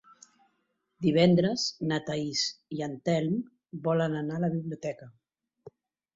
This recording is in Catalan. Divendres na Thaís i en Telm volen anar a la biblioteca.